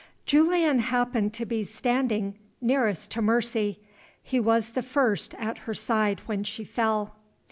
JULIAN happened to be standing nearest to Mercy. He was the first at her side when she fell.